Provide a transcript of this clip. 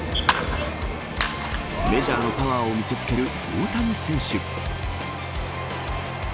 メジャーのパワーを見せつける大谷選手。